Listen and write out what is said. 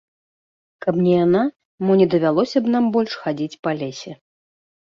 Каб не яна, мо не давялося б нам больш хадзіць па лесе.